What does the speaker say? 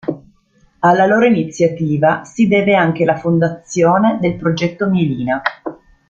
Alla loro iniziativa si deve anche la fondazione del Progetto Mielina.